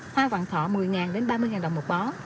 hoa vàng thọ một mươi đến ba mươi đồng một bó